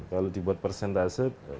kalau dibuat persentase